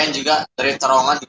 juga dari serangan